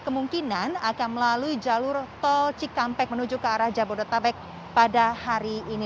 kemungkinan akan melalui jalur tol cikampek menuju ke arah jabodetabek pada hari ini